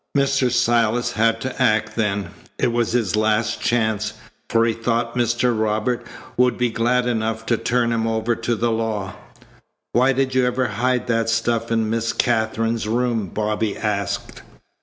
Mr. Silas had to act then. It was his last chance, for he thought Mr. Robert would be glad enough to turn him over to the law." "Why did you ever hide that stuff in Miss Katherine's room?" Bobby asked.